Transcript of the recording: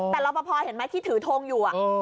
อ๋อแต่รับประพอเห็นไหมที่ถือทงอยู่อ่ะเออ